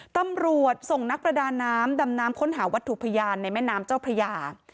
ตำรวจส่งนักประดาน้ำดำน้ำค้นหาวัตถุพยานในแม่น้ำเจ้าพระยา